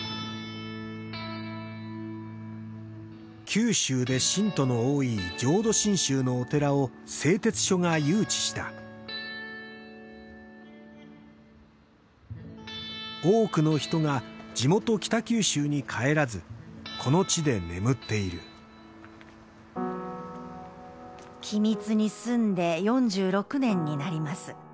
九州で信徒の多い浄土真宗のお寺を製鉄所が誘致した多くの人が地元・北九州に帰らずこの地で眠っている「君津に住んで４６年になります」